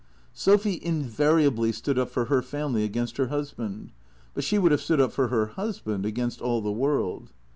" Sophy invariably stood up for her family against her hus band. But she would have stood up for her husband against all the world.